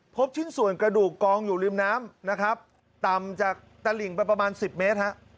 พบชิ้นส่วนกระดูกกองอยู่ริมน้ำนะครับต่ำจากตลิ่งไปประมาณสิบเมตรฮะ